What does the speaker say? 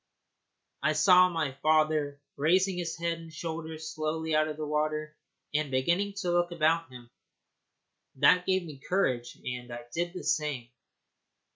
I saw my father raising his head and shoulders slowly out of the water and beginning to look about him. That gave me courage, and I did the same.